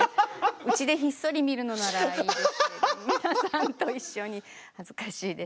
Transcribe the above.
うちでひっそり見るのならいいですけど皆さんと一緒に恥ずかしいです。